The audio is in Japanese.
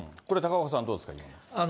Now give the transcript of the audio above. これ、高岡さん、どうですか。